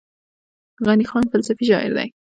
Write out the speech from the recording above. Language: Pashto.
غني خان فلسفي شاعر دی.